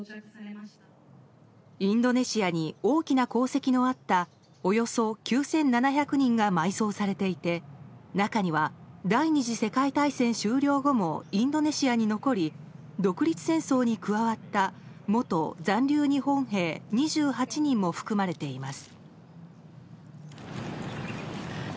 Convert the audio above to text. インドネシアに大きな功績のあったおよそ９７００人が埋葬されていて中には、第２次世界大戦終了後もインドネシアに残り独立戦争に加わった元残留日本兵２８人も含まれています。